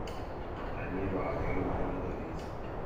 همه راحتی های مدرن را دارید؟